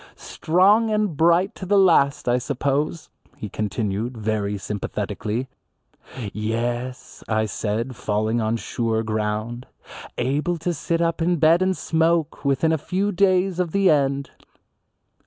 "Strong and bright to the last I suppose," he continued, very sympathetically. "Yes," I said, falling on sure ground, "able to sit up in bed and smoke within a few days of the end."